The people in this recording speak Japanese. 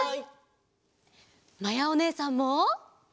まやおねえさんも！